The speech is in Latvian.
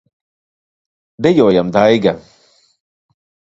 Dejojam, Daiga!